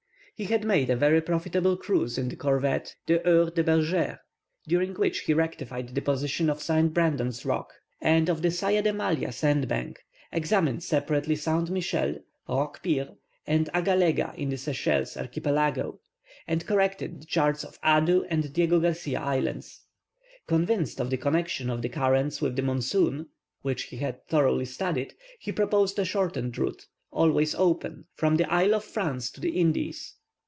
He had made a very profitable cruise in the corvette, the Heure du Berger, during which he rectified the position of Saint Brandon's rock, and of the Saya de Malha sandbank, examined separately Saint Michael, Rocque pire, and Agalega in the Seychelles archipelago, and corrected the charts of Adu and Diego Garcia Islands. Convinced of the connexion of the currents with the monsoon, which he had thoroughly studied, he proposed a shortened route, always open, from the Isle of France to the Indies.